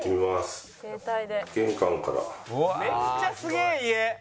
「めっちゃすげえ家！」